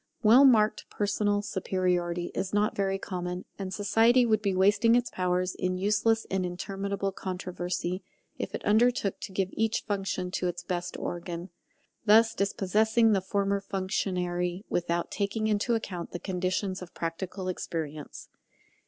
Well marked personal superiority is not very common; and society would be wasting its powers in useless and interminable controversy if it undertook to give each function to its best organ, thus dispossessing the former functionary without taking into account the conditions of practical experience.